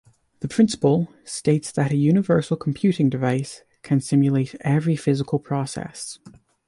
The principle states that a universal computing device can simulate every physical process.